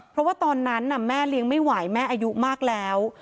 เพราะว่าตอนนั้นแม่เลี้ยงไม่ไหวแม่อายุมากแล้ว